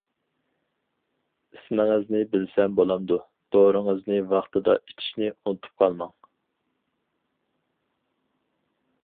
-ئىسمىڭىزنى بىلسەم بولامدۇ؟ -دورىڭىزنى ۋاقتىدا ئىچىشنى ئۇنتۇپ قالماڭ!